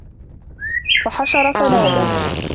فحشر فنادى